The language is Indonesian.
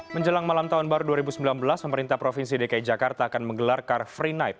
menjelang malam tahun baru dua ribu sembilan belas pemerintah provinsi dki jakarta akan menggelar car free night